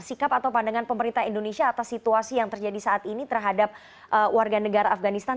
sikap atau pandangan pemerintah indonesia atas situasi yang terjadi saat ini terhadap warga negara afganistan